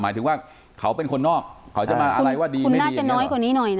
หมายถึงว่าเขาเป็นคนนอกเขาจะมาอะไรว่าดีคุณน่าจะน้อยกว่านี้หน่อยนะ